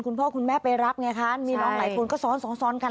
คุณพ่อคุณแม่ไปรักเนี้ยค่ะมีน้องหลายคนก็ซ้อนกัน